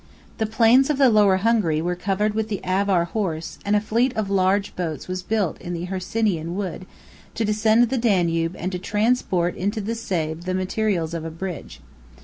27 The plains of the Lower Hungary were covered with the Avar horse and a fleet of large boats was built in the Hercynian wood, to descend the Danube, and to transport into the Save the materials of a bridge.